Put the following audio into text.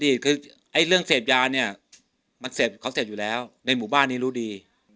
คือไอ้เรื่องเสพยาเนี่ยมันเสพเขาเสพอยู่แล้วในหมู่บ้านนี้รู้ดี